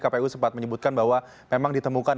kpu sempat menyebutkan bahwa memang ditemukan